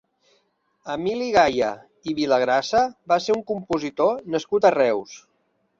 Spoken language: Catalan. Emili Gaya i Vilagrassa va ser un compositor nascut a Reus.